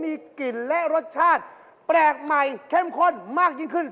มีกลิ่นและรสชาติแปลกใหม่เข้มข้นมากยิ่งขึ้น